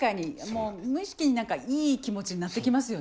もう無意識に何かいい気持ちになってきますよね。